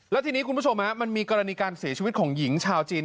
แล้วทีนี้คุณผู้ชมมันมีกรณีการเสียชีวิตของหญิงชาวจีน